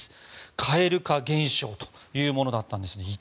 蛙化現象というものだったんです。